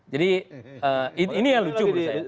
jadi ini yang lucu menurut saya